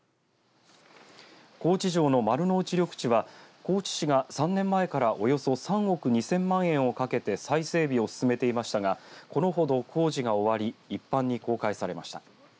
高知城の丸ノ内緑地は高知市が３年前からおよそ３億２０００万円をかけて再整備を進めていましたがこのほど工事が終わり一般に公開されました。